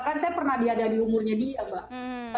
kan saya pernah diada di umurnya dia mbak